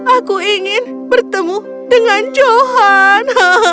aku ingin bertemu dengan johan